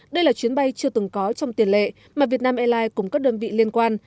đây là chuyến bay chưa từng có trong tiền lệ mà việt nam airlines cùng các đơn vị liên quan